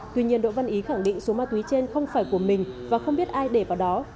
tuy nhiên đỗ văn ý khẳng định số ma túy trên không phải của mình và không biết ai để vào đó